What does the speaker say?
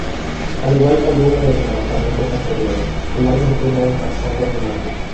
Al igual que algunos de sus lanzamientos anteriores, el álbum tuvo un trasfondo romántico.